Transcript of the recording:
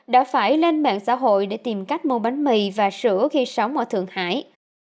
đã phải lên mạng xã hội để tìm cách mua bánh mì và sữa khi sống ở thượng hải